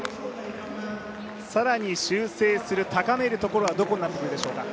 更に修正する高めるところはどこなんでしょうか？